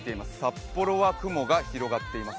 札幌は雲が広がっています。